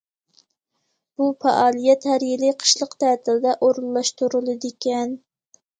بۇ پائالىيەت ھەر يىلى قىشلىق تەتىلدە ئورۇنلاشتۇرۇلىدىكەن.